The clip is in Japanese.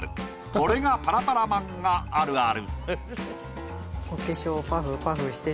これがパラパラ漫画あるある。